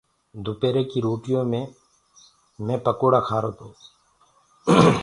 دُپيري ڪي روٽيو مي مينٚ پِڪوڙآ کآرو تو۔